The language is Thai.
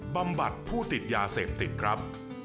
บำบัดผู้ติดยาเสพติดครับ